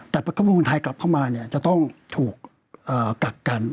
แต่พระคุณทายกลับเข้ามาจะต้องถูกกักกัน